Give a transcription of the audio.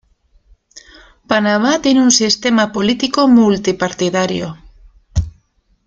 Panamá tiene un sistema político multi-partidiario.